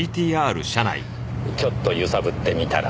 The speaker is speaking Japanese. ちょっと揺さぶってみたら。